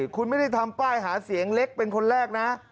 คุณไม่ได้ทำป้ายหาเสียงเล็กเป็นคนแรกนะ